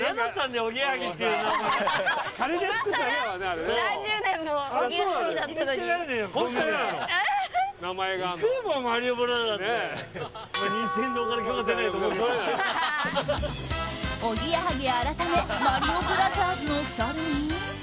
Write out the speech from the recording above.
おぎやはぎ改めマリオブラザーズの２人に。